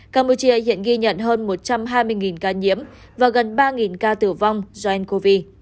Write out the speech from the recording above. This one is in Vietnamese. campuchia hiện ghi nhận hơn một trăm hai mươi ca nhiễm và gần ba ca tử vong do ncov